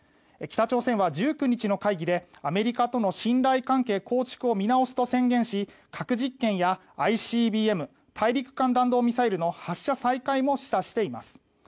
北朝鮮は１９日の会議でアメリカとの信頼関係構築を見直すと宣言し核実験やＩＣＢＭ・大陸間弾道ミサイルの発射再開も示唆しています。